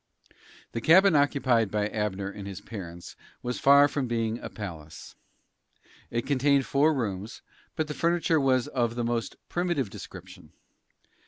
The cabin occupied by Abner and his parents was far from being a palace. It contained four rooms, but the furniture was of the most primitive description.